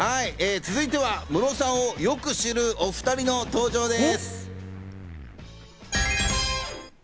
続いてはムロさんをよく知るお２人の登場です。